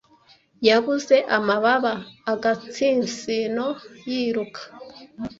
Yabuze amababa agatsinsino yiruka,